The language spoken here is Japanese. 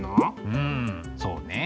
うんそうね。